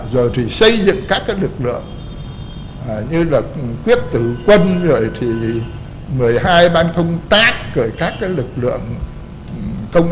rồi thì xây dựng các lực lượng như là quyết tử quân rồi thì một mươi hai ban công tác rồi các lực lượng công